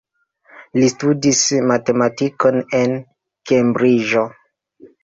Li studis matematikon en Kembriĝo.